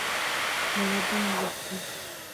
ملا بانګ ویښ دی.